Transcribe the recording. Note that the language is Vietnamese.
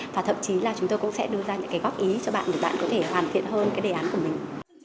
và thậm chí là chúng tôi cũng sẽ đưa ra những cái góp ý cho bạn để bạn có thể hoàn thiện hơn cái đề án của mình